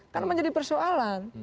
kan menjadi persoalan